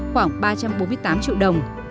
khoảng ba trăm bốn mươi tám triệu đồng